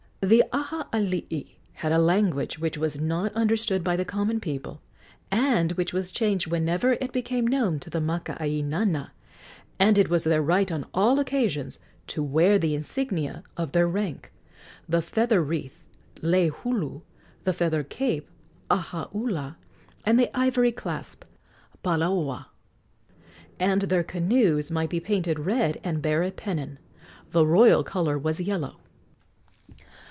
The Aha alii had a language which was not understood by the common people, and which was changed whenever it became known to the makaainana, and it was their right on all occasions to wear the insignia of their rank, the feather wreath (lei hulu), the feather cape (aha ula), and the ivory clasp (palaoa); and their canoes might be painted red and bear a pennon. The royal color was yellow.